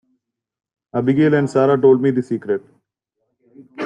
Abigail and Sara told me the secret.